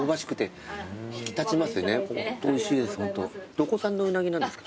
どこ産のうなぎなんですか？